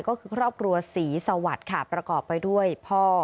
ก็คือครอบครัวศรีสวัสดิ์ค่ะประกอบไปด้วยพ่อ